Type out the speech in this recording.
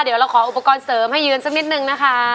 เดี๋ยวเราขออุปกรณ์เสริมให้ยืนสักนิดนึงนะคะ